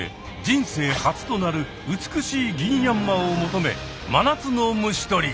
人生初となる美しいギンヤンマを求め真夏の虫とり！